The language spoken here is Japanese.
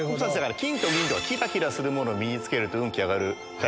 金と銀とか、きらきらするものを身に着けると運気上がる。